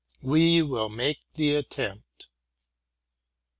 We will make the attempt.